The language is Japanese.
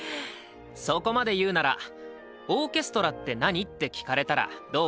そこまで言うなら「オーケストラって何？」って聞かれたらどう答える？